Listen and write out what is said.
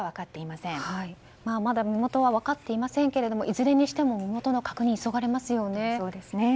まだ身元は分かっていませんけれどもいずれにしても身元の確認、急がれますよね。